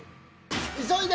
急いで！